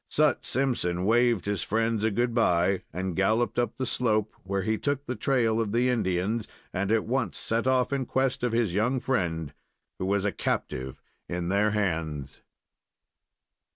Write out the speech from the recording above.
Sut Simpson waved his friends a good by and galloped up the slope, where he took the trail of the Indians and at once set off in quest of his young friend, who was a captive in their hands.